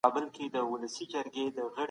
آيا ځوانان خپل فکري سرچينې پېژني؟